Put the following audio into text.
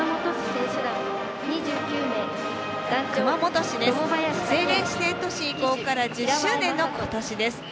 政令指定都市移行から１０周年の今年です。